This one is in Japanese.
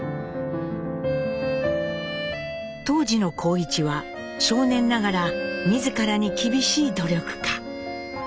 当時の幸一は少年ながら自らに厳しい努力家。